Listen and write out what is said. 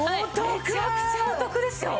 めちゃくちゃお得ですよ。